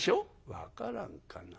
「分からんかな。